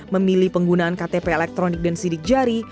memilih penggunaan ktp elektronik dan sidik jari